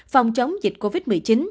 phòng chống dịch covid một mươi chín